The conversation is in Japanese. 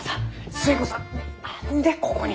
寿恵子さん何でここに？